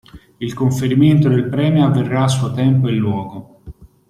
Il conferimento del premio avverrà a suo tempo e luogo.